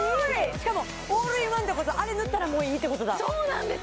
しかもオールインワンってことはあれ塗ったらもういいってことだそうなんです